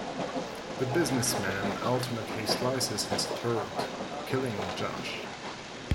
The businessman ultimately slices his throat, killing Josh.